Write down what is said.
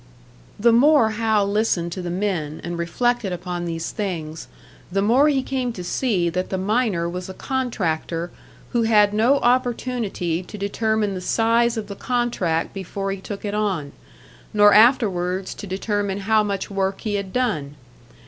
The more Hal listened to the men and reflected upon these things, the more he came to see that the miner was a contractor who had no opportunity to determine the size of the contract before he took it on, nor afterwards to determine how much work he had done.